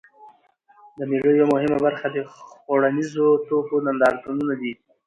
د مېلو یوه مهمه برخه د خوړنیزو توکو نندارتونونه دي.